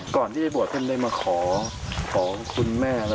ก่อนที่ได้บวชเพิ่มได้มาขอคุณแม่